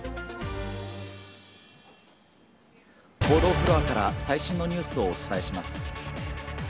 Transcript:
報道フロアから最新のニュースをお伝えします。